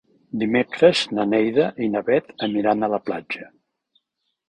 Dimecres na Neida i na Bet aniran a la platja.